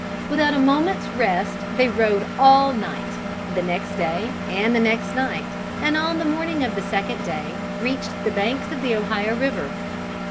Without a moment's rest they rode all night, the next day and the next night, and on the morning of the second day reached the banks of the Ohio river.